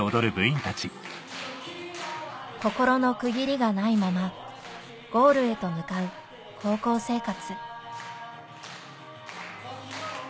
心の区切りがないままゴールへと向かう高校生活